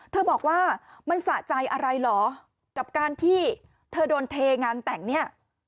บอกว่ามันสะใจอะไรเหรอกับการที่เธอโดนเทงานแต่งเนี่ย